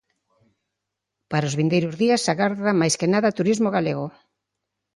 Para os vindeiros días agardan, máis que nada, turismo galego.